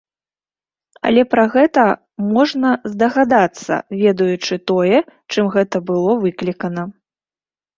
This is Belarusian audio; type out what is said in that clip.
Але пра гэта можна здагадацца, ведаючы тое, чым гэта было выклікана.